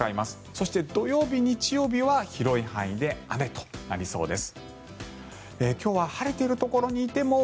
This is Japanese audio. そして土曜日、日曜日は広い範囲で雨となりそうです。